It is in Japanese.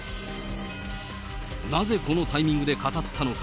なぜこのタイミングで語ったのか。